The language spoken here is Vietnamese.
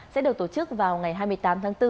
sẽ được tổ chức vào ngày hai mươi tám tháng bốn